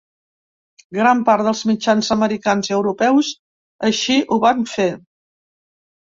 Gran part dels mitjans americans i europeus així ho van fer.